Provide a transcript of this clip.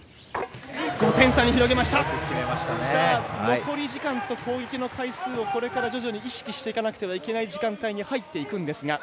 残り時間と攻撃の回数をこれから徐々に意識していかないといけない時間帯になっていきます。